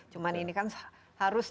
cuman ini kan harus